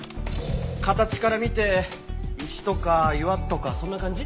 形から見て石とか岩とかそんな感じ。